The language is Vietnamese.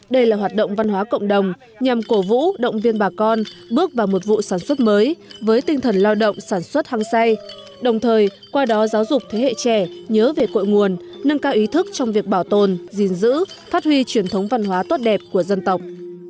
đây là hoạt động văn hóa cộng đồng nhằm cổ vũ động viên bà con bước vào một vụ sản xuất mới với tinh thần lao động sản xuất hăng say đồng thời qua đó giáo dục thế hệ trẻ nhớ về cội nguồn nâng cao ý thức trong việc bảo tồn gìn giữ phát huy truyền thống văn hóa tốt đẹp của dân tộc